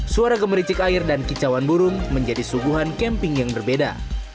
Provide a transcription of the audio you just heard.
suara gemericik air dan kicauan burung menjadi suguhan camping yang berbeda